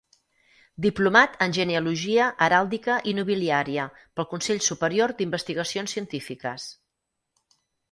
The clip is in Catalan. Diplomat en Genealogia, Heràldica i Nobiliària pel Consell Superior d'Investigacions Científiques.